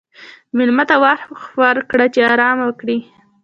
مېلمه ته وخت ورکړه چې آرام وکړي.